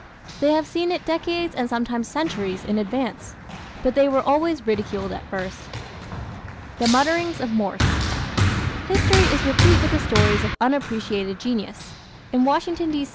They have seen it decades and sometimes centuries in advance. But they were always ridiculed at first. The Mutterings of Morse ¶ History is replete with the stories of unappreciated genius. In Washington, D.